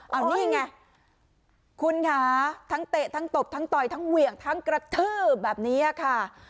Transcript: เอานี่ไงคุณค่ะทั้งเตะทั้งตบทั้งต่อยทั้งเหวี่ยงทั้งกระทืบแบบนี้ค่ะ